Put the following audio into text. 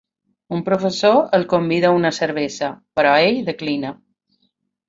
Un professor el convida a una cervesa, però ell declina.